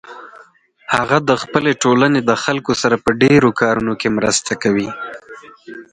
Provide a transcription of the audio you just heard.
هغه د خپلې ټولنې د خلکو سره په ډیرو کارونو کې مرسته کوي